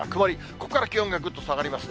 ここから気温がぐっと下がりますね。